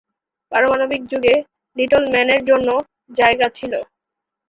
পারমাণবিক যুগে লিটল ম্যানের জন্য জায়গা ছিল।